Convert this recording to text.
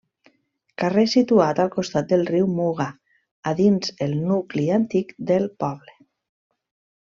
Carrer situat al costat del riu Muga, a dins el nucli antic del poble.